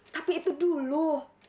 tapi itu dulu